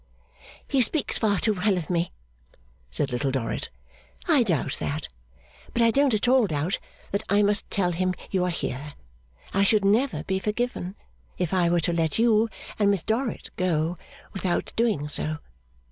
'He speaks far too well of me,' said Little Dorrit. 'I doubt that; but I don't at all doubt that I must tell him you are here. I should never be forgiven, if I were to let you and Miss Dorrit go, without doing so.